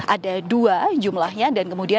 ada dua jumlahnya dan kemudian